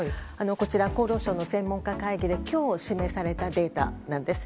こちら、厚労省の専門家会議で今日示されたデータなんです。